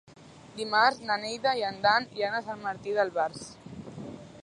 Dimarts na Neida i en Dan iran a Sant Martí d'Albars.